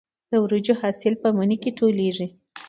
د وریجو حاصل په مني کې ټولېږي.